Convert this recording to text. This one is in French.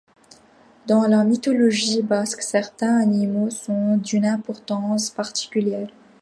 Dans la mythologie basque, certains animaux sont d'une importance particulière.